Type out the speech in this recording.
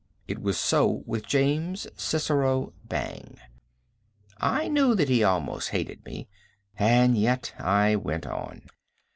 It was so with James Cicero Bang. I knew that he almost hated me, and yet I went on.